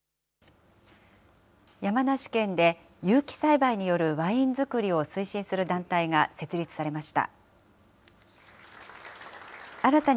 山梨県で、有機栽培によるワイン造りを推進する団体が設立されました。